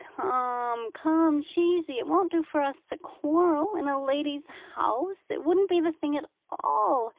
"Come, come, Cheesy, it won't do for us to quarrel in a lady's house. It wouldn't be the thing at all.